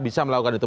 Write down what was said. bisa melakukan itu